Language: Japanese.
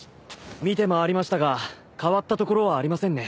見て回りましたが変わったところはありませんね。